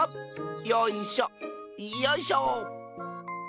よいしょよいしょ。